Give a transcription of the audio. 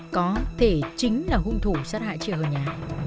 có thể chính là hung thủ sát hại chị hờ nhã